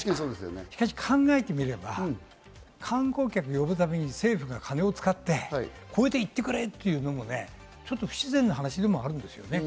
しかし考えてみれば観光客を呼ぶために政府が金を使って、これで行ってくれというのも不自然な話でもあるんですね。